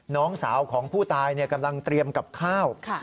น้องสาวของผู้ตายกำลังเตรียมกับข้าว